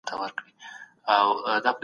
ښه خوب د تمرکز کچه لوړه وي.